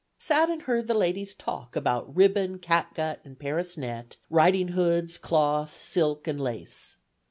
Sat and heard the ladies talk about ribbon, catgut, and Paris net, ridinghoods, cloth, silk and lace.